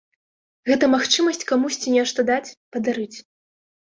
Гэта магчымасць камусьці нешта даць, падарыць.